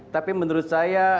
tapi menurut saya